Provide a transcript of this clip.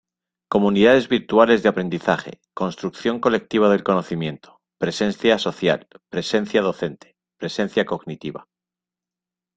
Comunidades virtuales de aprendizaje; construcción colectiva del conocimiento; presencia social; presencia docente, presencia cognitiva.